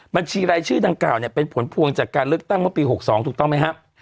บัญชีรายชื่อดังกล่าวเนี่ยเป็นผลพวงจากการเลือกตั้งเมื่อปี๖๒ถูกต้องไหมครับ